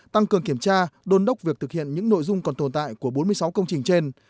tăng cường kiểm tra đôn đốc việc thực hiện những nội dung còn tồn tại của bốn mươi sáu công trình trên